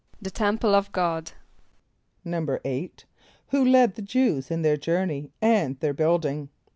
=The temple of God.= =8.= Who led the Jew[s+] in their journey and their building?